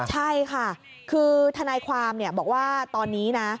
ใช่ค่ะคือทนายความบอกว่าตอนนี้นะ